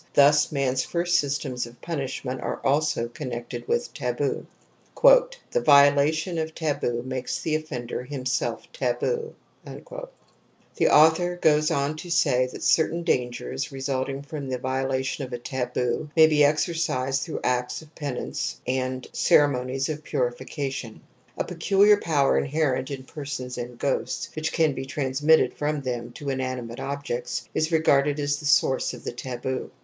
Thus man's first systems of punishment are also V connected with taboo. I *' The violation of a taboo makes the offender ^'^ j himself taboo.' ^ The author goes on to say that ; certain dangers resulting from the violation of a taboo may be exercised through acts of penance and ceremonies of purification. A pecuUar power inherent in persons and ghosts, which can be transmitted from them to inanimate objects is regarded as the source of the taboo.